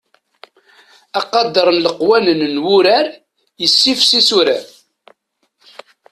Aqader n leqwanen n wurar yessifsis urar.